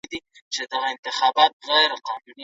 سهارنۍ تمرکز زیاتوي.